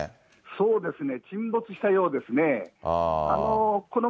そうですね。